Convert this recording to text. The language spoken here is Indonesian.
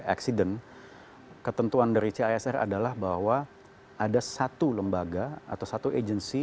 accident ketentuan dari cisr adalah bahwa ada satu lembaga atau satu agency